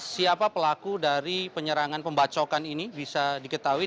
siapa pelaku dari penyerangan pembacokan ini bisa diketahui